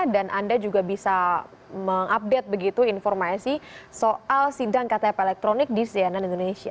anda juga bisa mengupdate begitu informasi soal sidang ktp elektronik di cnn indonesia